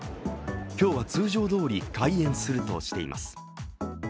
今日は通常どおり開園するとしています。